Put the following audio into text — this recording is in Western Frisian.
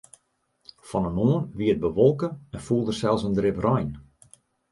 Fan 'e moarn wie it bewolke en foel der sels in drip rein.